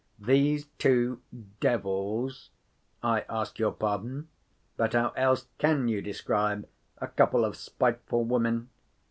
These two devils—I ask your pardon; but how else can you describe a couple of spiteful women?